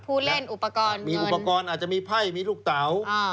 ผู้เล่นอุปกรณ์มีอุปกรณ์อาจจะมีไพ่มีลูกเต๋า